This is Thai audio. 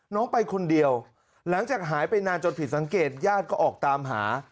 ไปคนเดียวหลังจากหายไปนานจนผิดสังเกตญาติก็ออกตามหา